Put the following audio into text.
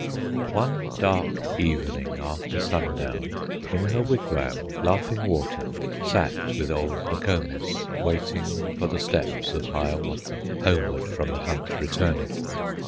One dark evening, after sundown, In her wigwam Laughing Water Sat with old Nokomis, waiting For the steps of Hiawatha Homeward from the hunt returning.